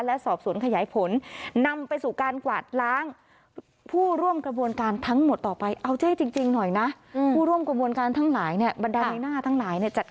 และสอบสวนขยายผล